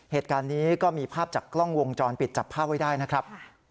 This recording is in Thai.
เหตุการณ์นี้ก็มีภาพจากกล้องวงจรปิดจับภาพไว้ได้นะครับ